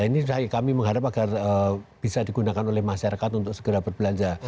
ini kami mengharap agar bisa digunakan oleh masyarakat untuk segera berbelanja